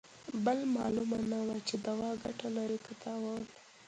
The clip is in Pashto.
بل مالومه نه وه چې دوا ګته لري که تاوان.